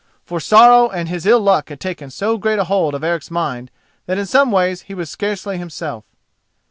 For sorrow and his ill luck had taken so great a hold of Eric's mind that in some ways he was scarcely himself.